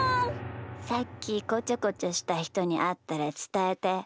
さっきこちょこちょしたひとにあったらつたえて。